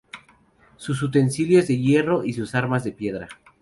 Sus utensilios de hierro y sus armas de piedra.